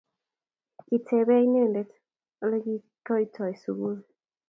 Kitebee inenendet olegiotitoi sugul